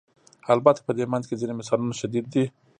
البته په دې منځ کې ځینې مثالونه شدید دي.